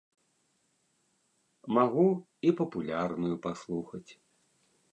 Магу і папулярную паслухаць.